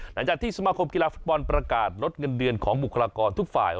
หลังจากที่สมาคมกีฬาฟุตบอลประกาศลดเงินเดือนของบุคลากรทุกฝ่าย